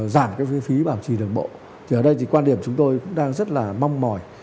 giảm phí bảo trì đường bộ thì ở đây quan điểm chúng tôi cũng đang rất là mong mỏi